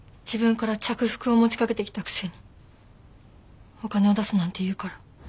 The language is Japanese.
自分から着服を持ちかけてきたくせにお金を出せなんて言うから。